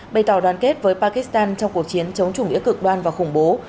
bày tỏ đoàn kết với pakistan trong cuộc chiến chống chủ nghĩa cực đoan và khủng bố